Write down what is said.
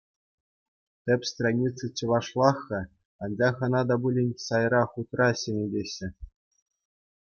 Тӗп страница чӑвашлах-ха, анчах ӑна та пулин сайра-хутра ҫӗнетеҫҫӗ.